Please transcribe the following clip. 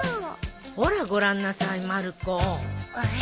ほらご覧なさいまる子。